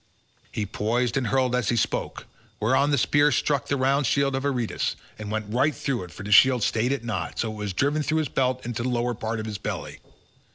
He poised and hurled as he spoke, whereon the spear struck the round shield of Aretus, and went right through it for the shield stayed it not, so that it was driven through his belt into the lower part of his belly.